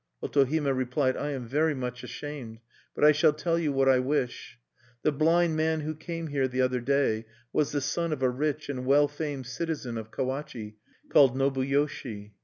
Otohime replied: "I am very much ashamed; but I shall tell you what I wish. "The blind man who came here the other day was the son of a rich and well famed citizen of Kawachi, called Nobuyoshi.